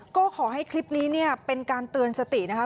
ก็ขอให้คลิปนี้เนี่ยเป็นการเตือนสตินะคะ